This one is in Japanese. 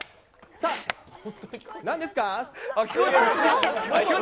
さあ、なんですか？